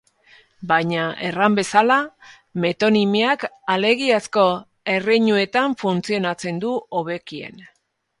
Baina, erran bezala, metonimiak alegiazko erreinuetan funtzionatzen du hobekien.